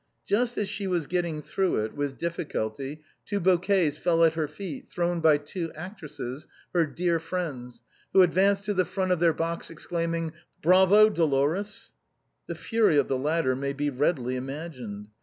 Just as she was getting through it with difficulty, two bouquets fell at her THE TOILETTE OF THE GRACES. 215 feet, thrown by two actresses, her dear friends, who ad vanced to the front of their box, exclaiming: " Bravo, Dolores !" The fury of the latter may be readily imagined.